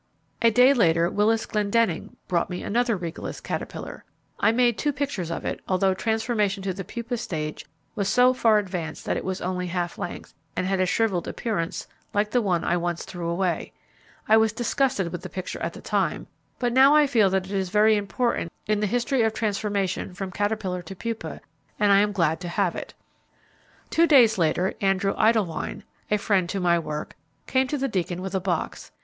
A day later Willis Glendenning brought me another Regalis caterpillar. I made two pictures of it, although transformation to the pupa stage was so far advanced that it was only half length, and had a shrivelled appearance like the one I once threw away. I was disgusted with the picture at the time, but now I feel that it is very important in the history of transformation from caterpillar to pupa, and I am glad to have it. Two days later, Andrew Idlewine, a friend to my work, came to the Deacon with a box.